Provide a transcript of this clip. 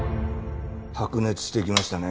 白熱してきましたね。